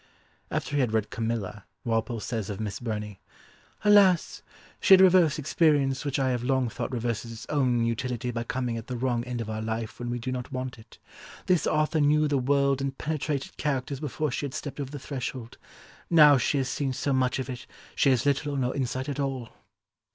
After he had read Camilla, Walpole says of Miss Burney: "Alas! She had reversed experience which I have long thought reverses its own utility by coming at the wrong end of our life when we do not want it. This author knew the world and penetrated characters before she had stepped over the threshold; now she has seen so much of it she has little or no insight at all."